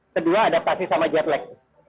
kedua adaptasi sama jet lag